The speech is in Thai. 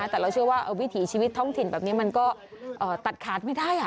แต่เราเชื่อว่าวิถีชีวิตท้องถิ่นแบบนี้มันก็ตัดขาดไม่ได้